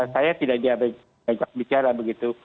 saya tidak diajak bicara begitu